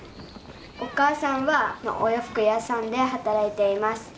お母さんはお洋服屋さんで働いています。